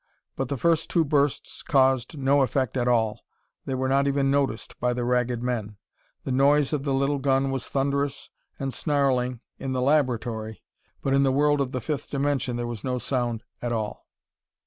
But the first two bursts caused no effect at all. They were not even noticed by the Ragged Men. The noise of the little gun was thunderous and snarling in the laboratory, but in the world of the fifth dimension there was no sound at all.